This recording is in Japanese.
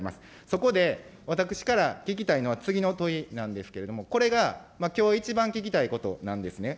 そこで、私から聞きたいのは次の問いなんですけれども、これが、きょう一番聞きたいことなんですね。